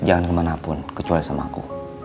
jangan kemanapun kecuali sama aku